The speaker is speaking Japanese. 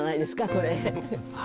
これ。